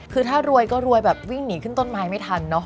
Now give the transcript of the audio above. คือถ้ารวยก็รวยแบบวิ่งหนีขึ้นต้นไม้ไม่ทันเนอะ